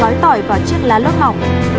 gói tỏi vào chiếc lá lốt mỏng